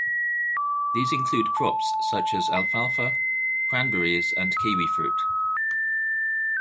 These include crops such as alfalfa, cranberries, and kiwifruit.